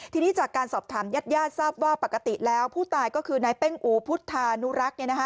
ทีนี้จากการสอบถามญาติญาติทราบว่าปกติแล้วผู้ตายก็คือนายเป้งอูพุทธานุรักษ์